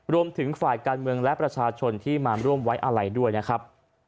รวมถึงฝ่ายการเมืองและประชาชนที่มาร่วมไว้อะไรด้วยนะครับ